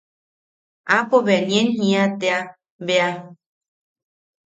Aapo bea nien jia tea bea.